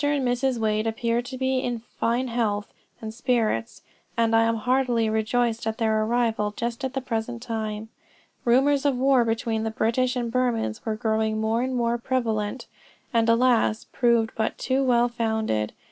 and Mrs. Wade appear to be in fine health and spirits, and I am heartily rejoiced at their arrival just at the present time." Rumors of a war between the British and Burmans were growing more and more prevalent, and alas, proved but too well founded.